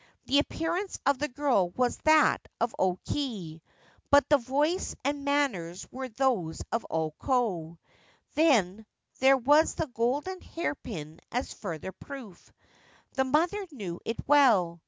The appearance of the girl was that of O Kei ; but the voice and manners were those of O Ko. Then, there was the golden hairpin as further proof. The mother knew it well.